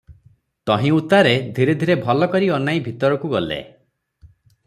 ତହିଁ ଉତ୍ତାରେ ଧୀରେ ଧୀରେ ଭଲ କରି ଅନାଇ ଭିତରକୁ ଗଲେ ।